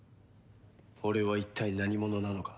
俺は一体何者なのか。